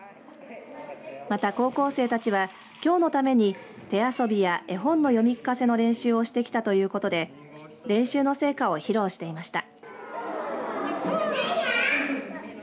また高校生たちはきょうのために手遊びや絵本の読み聞かせを練習してきたということで練習の成果を披露していました。